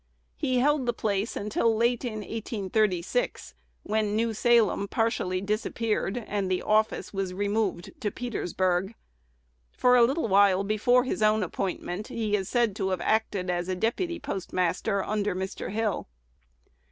He held the place until late in 1836, when New Salem partially disappeared, and the office was removed to Petersburg. For a little while before his own appointment, he is said to have acted as "deputy postmaster" under Mr. Hill.